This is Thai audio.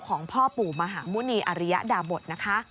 ของพ่อปู่มหาหมุณีอริยดาบทนะคะ